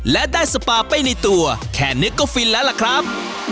และได้สปาไปในตัวแค่นี้ก็ฟินแล้วล่ะครับ